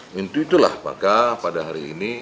minta itulah pakar pada hari ini